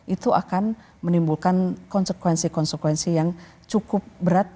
itu akan menimbulkan konsekuensi konsekuensi yang cukup berat